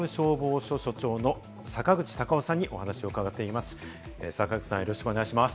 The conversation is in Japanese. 元東京消防庁・麻布消防署署長の坂口隆夫さんにお話を伺います。